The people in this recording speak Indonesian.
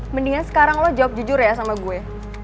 mendingan sekarang lo jawab jujur ya sama gue